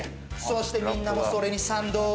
そして、みんなもそれに賛同。